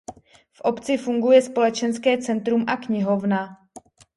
V obci funguje společenské centrum a knihovna.